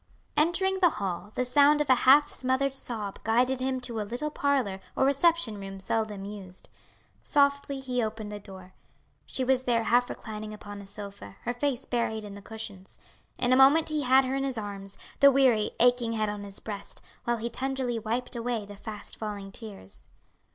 Entering the hall, the sound of a half smothered sob guided him to a little parlor or reception room seldom used. Softly he opened the door. She was there half reclining upon a sofa, her face buried in the cushions. In a moment he had her in his arms, the weary, aching head on his breast, while he tenderly wiped away the fast falling tears.